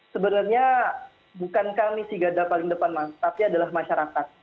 sebenarnya bukan kami si garda paling depan mas tapi adalah masyarakat